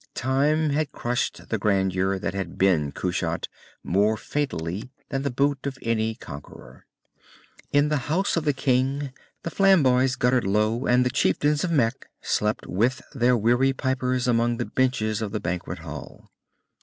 Time had crushed the grandeur that had been Kushat, more fatally than the boots of any conqueror. In the house of the king, the flamboys guttered low and the chieftains of Mekh slept with their weary pipers among the benches of the banquet hall.